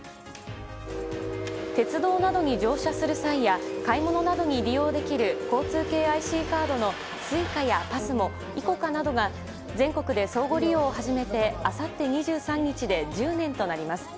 鉄道などに乗車する際や買い物などに利用できる交通系ＩＣカードのＳｕｉｃａやＰＡＳＭＯＩＣＯＣＡなどが全国で相互利用を始めてあさって２３日で１０年となります。